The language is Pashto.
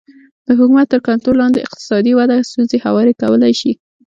د حکومت تر کنټرول لاندې اقتصادي وده ستونزې هوارې کولی شي